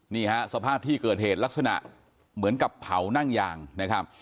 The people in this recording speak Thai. นี่ฮะสภาพที่เกิดเหตุลักษณะเหมือนกับเผานั่งยางนะครับ